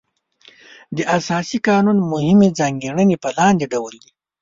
د اساسي قانون مهمې ځانګړنې په لاندې ډول دي.